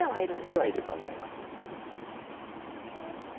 死んではいると思います。